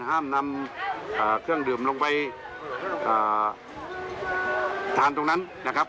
ห้ามนำเครื่องดื่มลงไปทานตรงนั้นนะครับ